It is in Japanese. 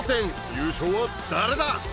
優勝は誰だ？